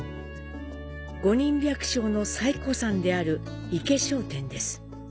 五人百姓の最古参である池商店です。